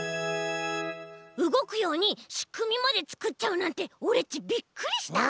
うごくようにしくみまでつくっちゃうなんてオレっちびっくりした！